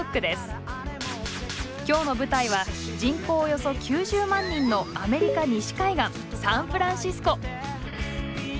今日の舞台は人口およそ９０万人のアメリカ西海岸サンフランシスコ。